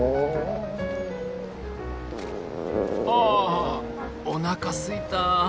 あおなかすいた。